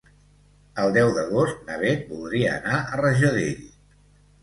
El deu d'agost na Bet voldria anar a Rajadell.